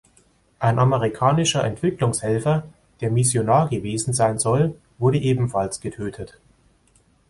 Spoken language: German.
Ein amerikanischer Entwicklungshelfer, der Missionar gewesen sein soll, wurde ebenfalls getötet.